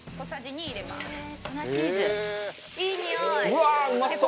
「うわー！うまそう！」